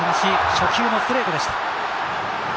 初球のストレートでした。